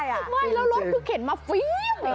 ไม่ละลบคือเข่นมาวี๊ววี๊ว